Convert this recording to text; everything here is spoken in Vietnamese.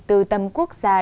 từ tâm quốc giải thưởng